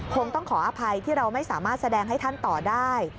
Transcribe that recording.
คงต้องขออภัยที่เราไม่สามารถแสดงให้ท่านต่อได้